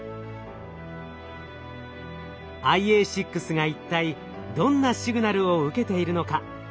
ＩＡ６が一体どんなシグナルを受けているのか？